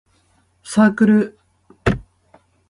サークル